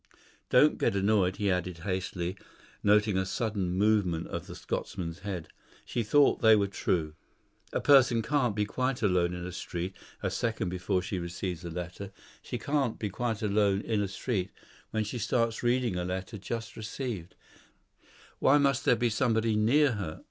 Don't get annoyed," he added hastily, noting a sudden movement of the Scotchman's head; "she thought they were true. A person can't be quite alone in a street a second before she receives a letter. She can't be quite alone in a street when she starts reading a letter just received. There must be somebody pretty near her; he must be mentally invisible." "Why must there be somebody near her?"